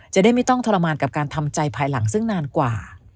จะได้ไม่ต้องทรมานกับการทำใจภายหลังซึ่งนานกว่า